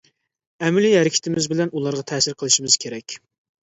ئەمەلىي ھەرىكىتىمىز بىلەن ئۇلارغا تەسىر قىلىشىمىز كېرەك.